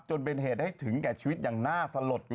จนเป็นเหตุให้ถึงแก่ชีวิตอย่างน่าสลด